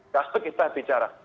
kasus kita bicara